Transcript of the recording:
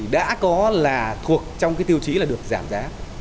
đã có là thuộc trong cái tiêu chí là được giảm giá